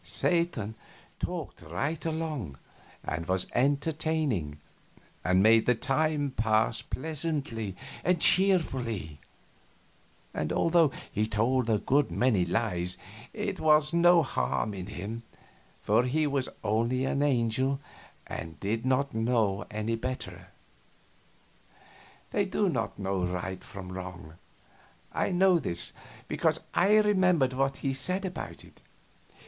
Satan talked right along, and was entertaining, and made the time pass pleasantly and cheerfully; and although he told a good many lies, it was no harm in him, for he was only an angel and did not know any better. They do not know right from wrong; I knew this, because I remembered what he had said about it.